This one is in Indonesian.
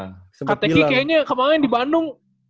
ktq kayaknya kemarin di bandung